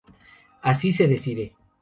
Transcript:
Así se decide.